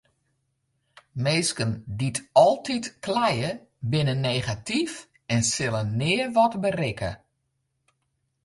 Minsken dy't altyd kleie binne negatyf en sille nea wat berikke.